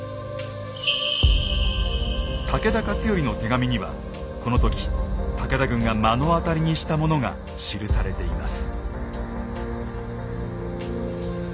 武田勝頼の手紙にはこの時武田軍が目の当たりにしたものが記されています。